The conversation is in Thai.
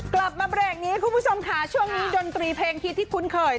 กลับมาเบรกนี้คุณผู้ชมค่ะช่วงนี้ดนตรีเพลงฮิตที่คุ้นเคย